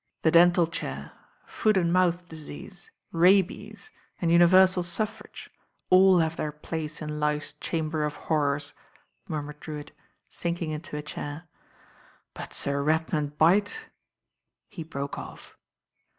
"The dental chair, foot and mouth disease, rabies, and universr suflf rage, all have their place in life's chamber of horrors," murmured Drewitt, sinking into a chair, "but Sir Redman Bight " he brokft off.